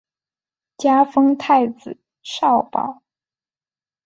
加封太子少保。